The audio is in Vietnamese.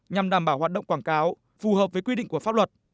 nhằm đảm bảo hoạt động quảng cáo phù hợp với quy định của pháp luật